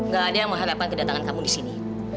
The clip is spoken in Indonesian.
gak ada yang mengharapkan kedatangan kamu disini